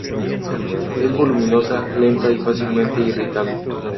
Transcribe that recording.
Es voluminosa, lenta y fácilmente irritable.